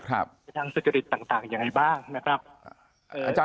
ทางสุขภิกษ์ต่างยังไงบ้างนะครับ